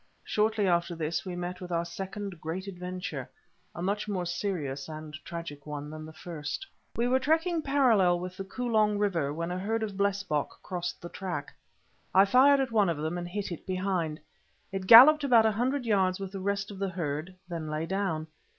Shortly after this we met with our second great adventure, a much more serious and tragic one than the first. We were trekking parallel with the Kolong river when a herd of blesbock crossed the track. I fired at one of them and hit it behind. It galloped about a hundred yards with the rest of the herd, then lay down.